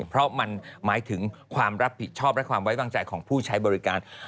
เพราะมันหมายถึงความรับผิดชอบและความไว้วางใจของผู้ใช้บริการ